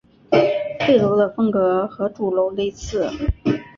配楼的风格和主楼类似。